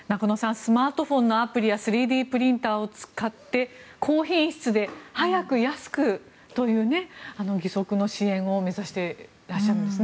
スマートフォンのアプリや３Ｄプリンターを使って高品質で早く安くという義足の支援を目指してらっしゃるんですね。